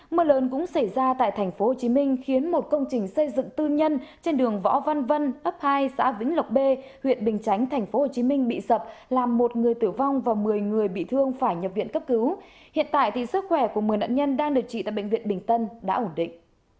mưa lớn cũng xảy ra tại tp hcm khiến một công trình xây dựng tư nhân trên đường võ văn vân ấp hai xã vĩnh lộc b huyện bình chánh tp hcm bị sập làm một người tử vong và một mươi người bị thương phải nhập viện cấp cứu hiện tại sức khỏe của một mươi nạn nhân đang được trị tại bệnh viện bình tân đã ổn định